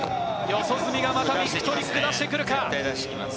四十住がまたビッグトリックを出してくるか。